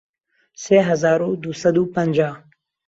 سێ هەزار و دوو سەد و پەنجا